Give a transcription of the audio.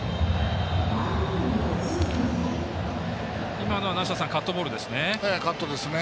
今のはカットボールですね。